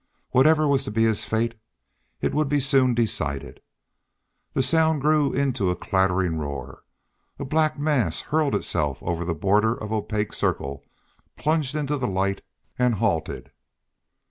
Whatever was to be his fate, it would be soon decided. The sound grew into a clattering roar. A black mass hurled itself over the border of opaque circle, plunged into the light, and halted.